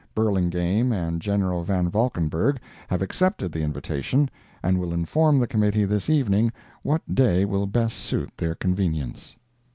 Burlingame and General Van Valkenburgh have accepted the invitation and will inform the Committee this evening what Day will best suit their convenience.